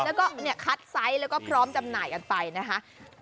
แล้วก็คัดไซส์แล้วก็พร้อมจำหน่ายกันไปนะคะ